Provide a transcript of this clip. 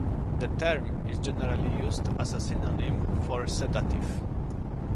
The term is generally used as a synonym for sedative.